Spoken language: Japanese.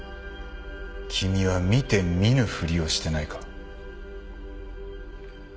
君は見て見ぬふりをしてないか？